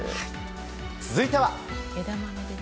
続いては。